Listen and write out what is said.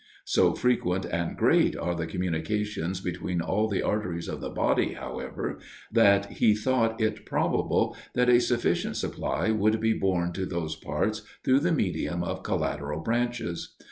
So frequent and great are the communications between all the arteries of the body, however, that he thought it probable, that a sufficient supply would be borne to these parts through the medium of collateral branches.